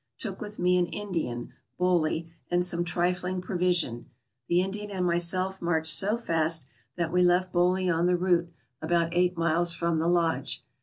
Took with me an In dian, Boley, and some trifling provision; the Indian and AMERICA 143 myself marched so fast that we left Boley on the route, about eight miles from the lodge.